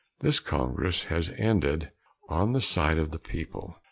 This Congress has ended on the side of the people.